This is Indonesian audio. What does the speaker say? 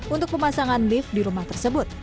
untuk pemasangan lift di rumah tersebut